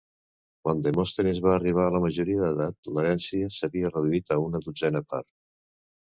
Quan Demòstenes va arribar a la majoria d'edat l'herència s'havia reduït a una dotzena part.